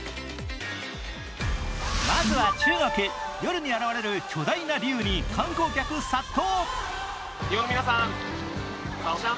まずは中国、夜に現れる巨大な龍に観光客殺到。